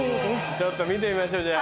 ちょっと見てみましょうじゃあ。